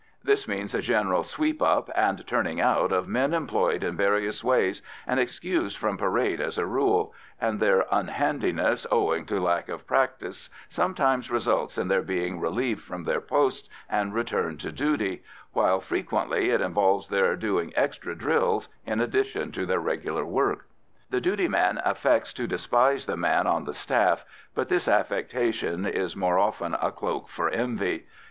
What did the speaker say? This means a general sweep up and turning out of men employed in various ways and excused from parades as a rule, and their unhandiness owing to lack of practice sometimes results in their being relieved from their posts and returned to duty, while frequently it involves their doing extra drills in addition to their regular work. The duty man affects to despise the man on the staff, but this affectation is more often a cloak for envy.